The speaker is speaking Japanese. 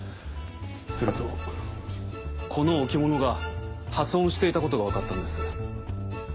するとこの置物が破損していたことが分かったんです。